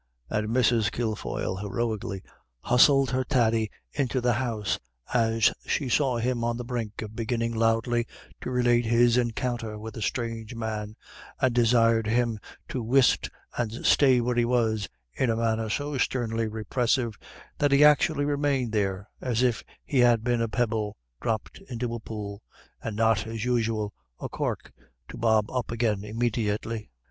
And Mrs. Kilfoyle heroically hustled her Thady into the house, as she saw him on the brink of beginning loudly to relate his encounter with a strange man, and desired him to whisht and stay where he was in a manner so sternly repressive that he actually remained there as if he had been a pebble dropped into a pool, and not, as usual, a cork to bob up again immediately.